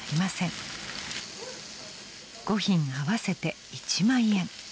［５品合わせて１万円］